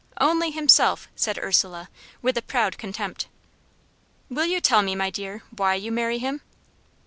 "Only himself," said Ursula, with a proud contempt. "Will you tell me, my dear, why you marry him?"